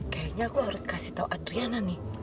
kayaknya aku harus kasih tahu adriana nih